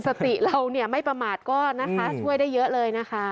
สติเราเนี่ยไม่ประมาทก็นะคะช่วยได้เยอะเลยนะคะ